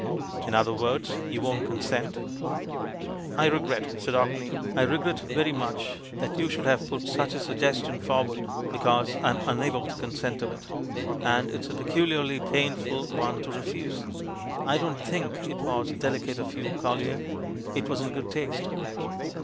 "In other words, you won't consent?" "I regret," said Orkney, "I regret very much that you should have put such a suggestion for ward, because I am unable to consent to it, and it's a peculiarly painful one to refuse. I don't think it was dehcate of you. Collier; it wasn't good taste."